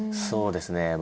そうですね